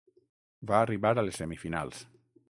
Va arribar a les semifinals.